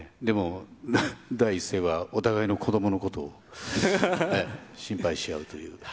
でも、第一声はお互いの子どものことを心配し合うという。